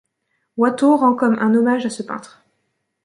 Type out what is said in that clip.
Watteau rend comme un hommage à ce peintre.